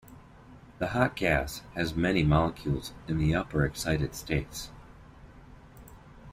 The hot gas has many molecules in the upper excited states.